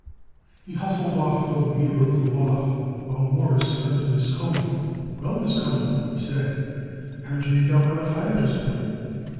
He hustled off toward the rear of the loft while Morris turned to Miss Cohen. "Well, Miss Cohen," he said, "how did you make out by the fire just now?"